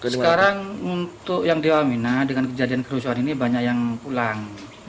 sekarang untuk yang di wamena dengan kejadian kerusuhan ini banyak yang pulang